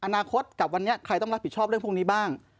อนาคตกับวันนี้ใครต้องรับผิดชอบเรื่องพวกนี้บ้าง